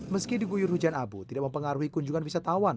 meski diguyur hujan abu tidak mempengaruhi kunjungan wisatawan